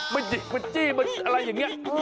มันหยิกมันจี่มันอะไรอย่างนี้